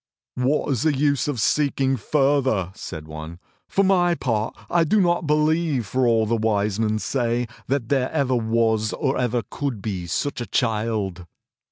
"What is the use of seeking further?" said one. "For my part I do not believe, for all the Wise Men say, that there ever was or ever could be such a child."